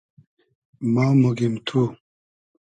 ما موگیم تو